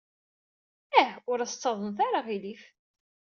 Ah, ur as-ttaḍnet ara aɣilif.